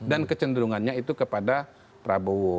dan kecenderungannya itu kepada prabowo